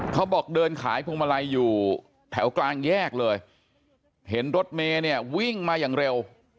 เขาบอกเดินขายพวงมาลัยอยู่แถวกลางแยกเลยเห็นรถเมย์เนี่ยวิ่งมาอย่างเร็ว